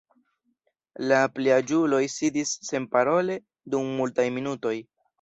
La pliaĝuloj sidis senparole dum multaj minutoj.